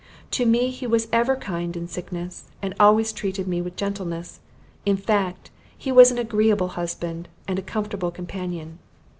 To me he was ever kind in sickness, and always treated me with gentleness; in fact, he was an agreeable husband, and a comfortable companion.